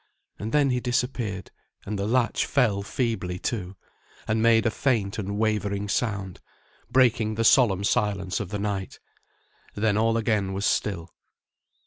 And then he disappeared, and the latch fell feebly to, and made a faint and wavering sound, breaking the solemn silence of the night. Then all again was still.